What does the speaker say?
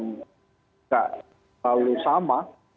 gak lalu sama